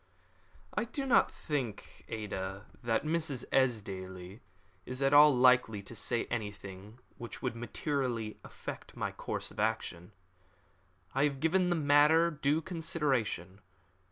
"I do not think, Ada, that Mrs. Esdaile is at all likely to say anything which would materially affect my course of action. I have given the matter due consideration.